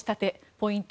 ポイント